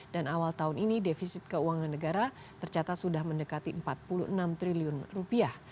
dan awal tahun ini defisit keuangan negara tercatat sudah mendekati empat puluh enam triliun rupiah